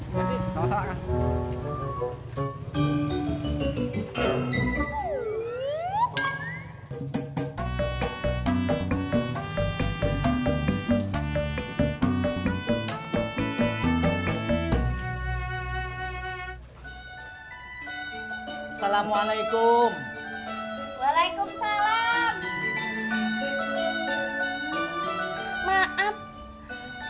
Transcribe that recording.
terima kasih sama sama kak